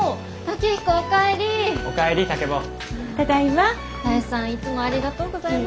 多江さんいつもありがとうございます。